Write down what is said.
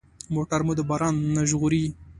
موټر مو د باران نه ژغوري.